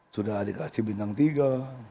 sudah dikasih bintang tiga